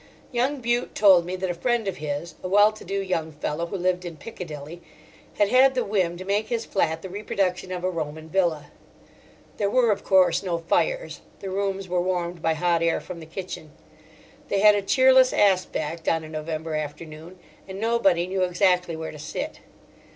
Young Bute told me that a friend of his, a well to do young fellow, who lived in Piccadilly, had had the whim to make his flat the reproduction of a Roman villa. There were of course no fires, the rooms were warmed by hot air from the kitchen. They had a cheerless aspect on a November afternoon, and nobody knew exactly where to sit.